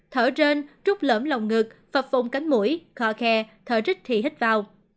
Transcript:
thở rên rút lỡm lòng ngực phập phùng cánh mũi khọ khe thở rít thì hít vào